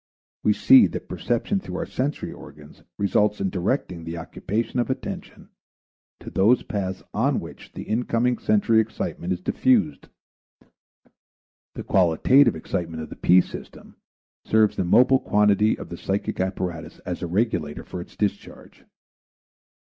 We see that perception through our sensory organs results in directing the occupation of attention to those paths on which the incoming sensory excitement is diffused; the qualitative excitement of the P system serves the mobile quantity of the psychic apparatus as a regulator for its discharge.